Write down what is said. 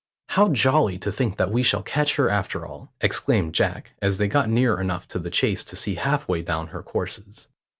"How jolly to think that we shall catch her after all," exclaimed Jack, as they got near enough to the chase to see halfway down her courses.